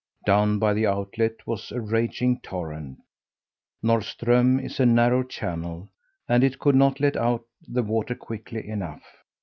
Down by the outlet was a raging torrent. Norrström is a narrow channel, and it could not let out the water quickly enough.